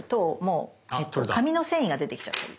紙の繊維が出てきちゃったり。